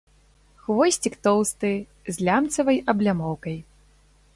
Хвосцік тоўсты, з лямцавай аблямоўкай.